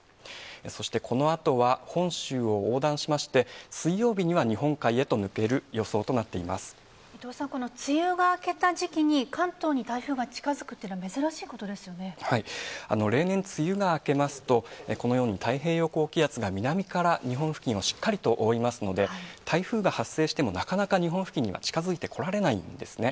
そして、このあとは本州を横断しまして、水曜日には日本海へと抜ける予想伊藤さん、この梅雨が明けた時期に、関東に台風が近づくっていうのは珍しい例年、梅雨が明けますと、このように太平洋高気圧が南から、日本付近をしっかりと覆いますので、台風が発生してもなかなか日本付近には近づいてこられないんですね。